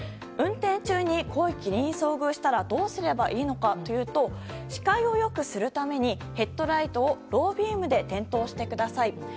運転中に濃い霧に遭遇したらどうすればいいのかというと視界を良くするためにヘッドライトをロービームで点灯してください。